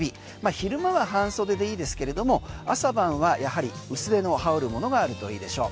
昼間は半袖でいいですけれども朝晩はやはり薄手の羽織るものがあるといいでしょう。